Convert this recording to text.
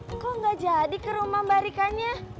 ih kok nggak jadi ke rumah mbak rikanya